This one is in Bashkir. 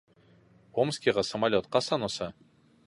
Омскиға самолет ҡасан оса?